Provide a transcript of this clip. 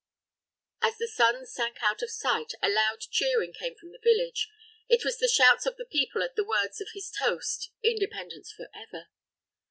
As the sun sank out of sight, a loud cheering came from the village. It was the shouts of the people at the words of his toast: "Independence for ever!"